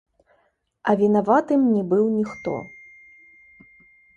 А вінаватым не быў ніхто.